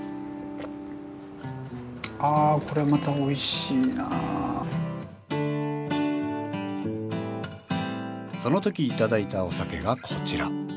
あこれまたその時頂いたお酒がこちら。